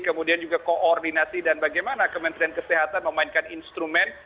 kemudian juga koordinasi dan bagaimana kementerian kesehatan memainkan instrumen